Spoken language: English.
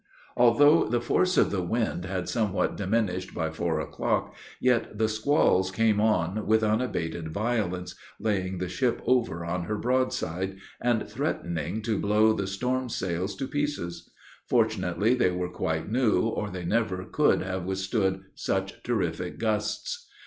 Although the force of the wind had somewhat diminished by four o'clock, yet the squalls came on with unabated violence, laying the ship over on her broadside, and threatening to blow the storm sails to pieces; fortunately they were quite new, or they never could have withstood such terrific gusts.